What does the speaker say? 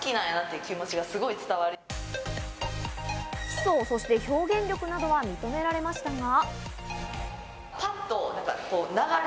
基礎、そして表現力などは認められましたが。